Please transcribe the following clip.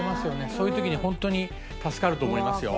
そういう時にホントに助かると思いますよ。